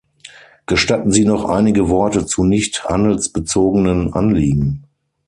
Gestatten Sie noch einige Worte zu nicht handelsbezogenen Anliegen.